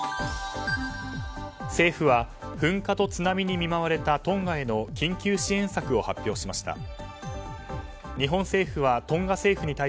政府は、噴火と津波に見舞われたトンガへの緊急支援策を発表しました。